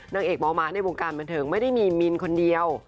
นางเอกม้าในวงการบันเทิงไม่ได้มีมินคนเดียว